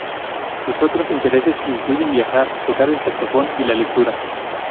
Sus otros intereses incluyen viajar, tocar el saxofón y la lectura.